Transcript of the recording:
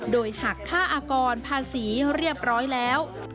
โดยหักค่าอากรภาษีเรียบร้อยแล้ว